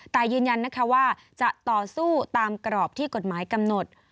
แต่ยืนยันนะคะว่าจะต่อสู้ตามกรอบที่กฎหมายกำหนด